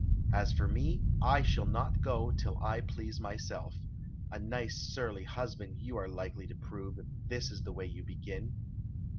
As for me, I shall not go till I please myself. A nice surly husband you are likely to prove, if this is the way you begin."